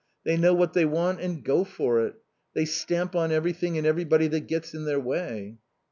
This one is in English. They know what they want and go for it. They stamp on everything and everybody that gets in their way."